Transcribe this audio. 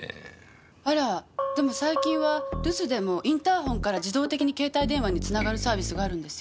あらでも最近は留守でもインターホンから自動的に携帯電話に繋がるサービスがあるんですよ。